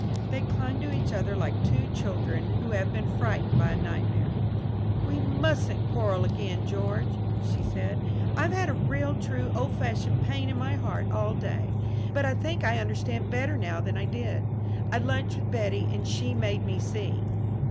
They clung to each other like two children who have been frightened by a nightmare. "We mustn't quarrel again, George," she said. "I've had a real, true, old fashioned pain in my heart all day. But I think I understand better now than I did. I lunched with Betty and she made me see."